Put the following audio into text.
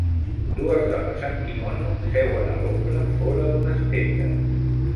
Dues dones amb quimono seuen a l'ombra fora d'unes tendes.